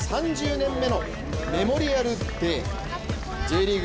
３０年目のメモリアルデー。